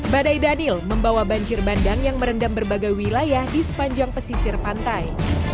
badai daniel membawa banjir bandang yang merendam berbagai wilayah di sepanjang pesisir pantai